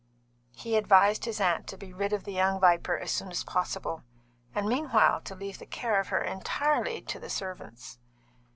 He advised his aunt to be rid of the young viper as soon as possible, and meanwhile to leave the care of her entirely to servants.